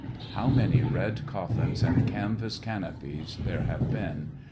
How many red coffins and canvas cano pies there have been